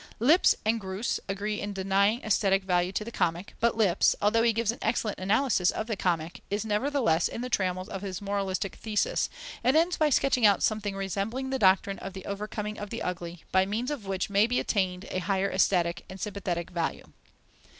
Lipps and Groos agree in denying aesthetic value to the comic, but Lipps, although he gives an excellent analysis of the comic, is nevertheless in the trammels of his moralistic thesis, and ends by sketching out something resembling the doctrine of the overcoming of the ugly, by means of which may be attained a higher aesthetic and (sympathetic) value.